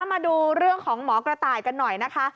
มาดูเรื่องของหมอกระต่ายกันหน่อยนะคะ